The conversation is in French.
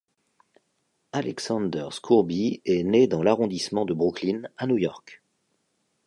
Alexander Scourby est né dans l'arrondissement de Brooklyn à New York.